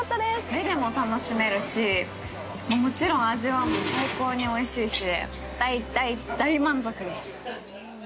目でも楽しめるし、もちろん味はもう最高においしいし、大・大・大満足です！